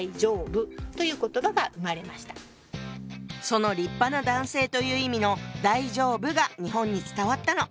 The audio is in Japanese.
その立派な男性という意味の「大丈夫」が日本に伝わったの。